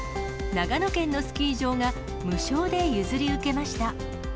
長野県のスキー場が、無償で譲り受けました。